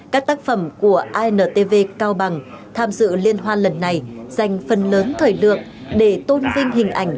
các tác phẩm của intv cao bằng tham dự liên hoan lần này dành phần lớn thời lượng để tôn vinh hình ảnh